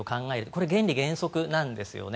これ、原理原則なんですよね。